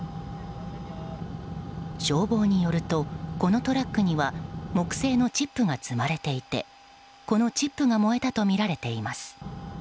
消防によると、このトラックには木製のチップが積まれていてこのチップが燃えたとみられています。